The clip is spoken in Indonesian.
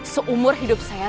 seumur hidup saya